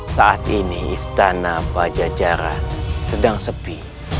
saat ini istana pajajaran sedang sepi